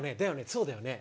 そうだよね？